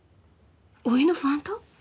おいのファンと？